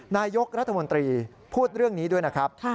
นายกรัฐมนตรีพูดเรื่องนี้ด้วยนะครับ